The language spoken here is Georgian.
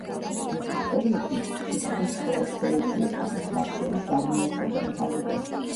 მისი წევრები თითქმის ყველა სფეროში იყვნენ, მათ შორის არმიასა და მთავრობაშიც.